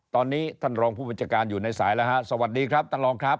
ตอนนี้ท่านรองผู้บัญชาการอยู่ในสายแล้วฮะสวัสดีครับท่านรองครับ